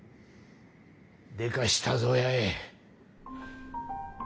でかしたぞ八重。